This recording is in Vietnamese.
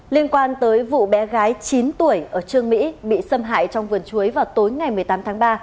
liên quan tới vụ bé gái chín tuổi ở trương mỹ bị xâm hại trong vườn chuối vào tối ngày một mươi tám tháng ba